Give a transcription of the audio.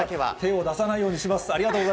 手を出さないようにします。